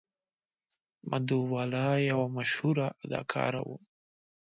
مدهو بالا یوه مشهوره اداکاره وه.